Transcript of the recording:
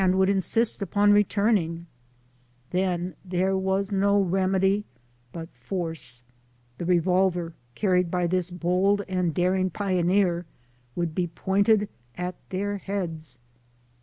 25 would insist upon returning ; then there was no remedy but force ; the revolver carried by this bold and daring pioneer would be pointed at their heads.